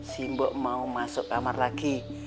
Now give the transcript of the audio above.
simbok mau masuk kamar lagi